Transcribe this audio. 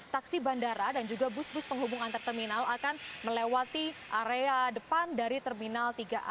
taksi bandara dan juga bus bus penghubung antar terminal akan melewati area depan dari terminal tiga a